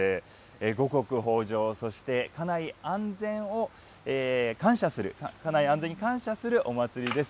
五穀豊じょう、そして家内安全を感謝する、家内安全に感謝するお祭りです。